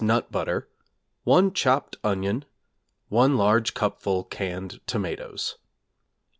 nut butter, 1 chopped onion, 1 large cupful canned tomatoes.